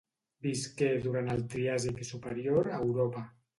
Visqué durant el Triàsic superior a Europa.